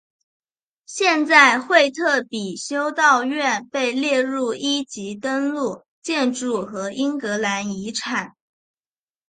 现在惠特比修道院被列入一级登录建筑和英格兰遗产。